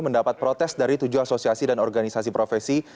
mendapat protes dari tujuh asosiasi dan organisasi profesi